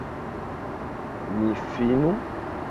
Ni finu.